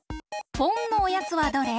ポンのおやつはどれ？